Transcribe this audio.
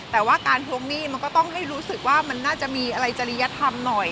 แต่ว่าการทวงหนี้มันก็ต้องให้รู้สึกว่ามันน่าจะมีอะไรจริยธรรมหน่อย